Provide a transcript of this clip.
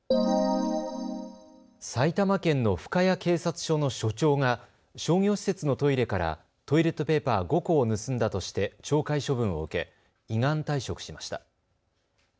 埼玉県の深谷警察署の署長が商業施設のトイレからトイレットペーパー５個を盗んだとして懲戒処分を受け依願退職しました。